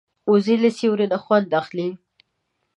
وزې له سیوري نه خوند اخلي